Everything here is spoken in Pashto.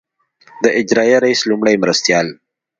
د اجرائیه رییس لومړي مرستیال.